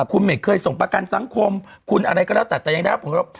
คุณไม่เคยส่งประกันสังคมคุณอะไรก็แล้วแต่ยังได้ครับ